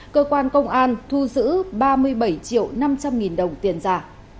cơ quan công an thu giữ ba mươi bảy triệu năm trăm linh nghìn đồng tiền giả